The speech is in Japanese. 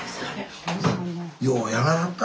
ようやらはったな